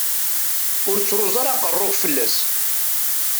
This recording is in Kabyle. Ur ttruẓu ara aqerru-k fell-as.